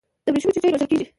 د ورېښمو چینجي روزل کیږي؟